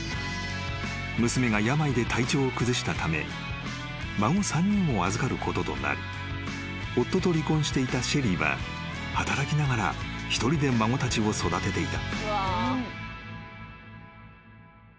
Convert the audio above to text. ［娘が病で体調を崩したため孫３人を預かることとなり夫と離婚していたシェリーは働きながら一人で孫たちを育てていた］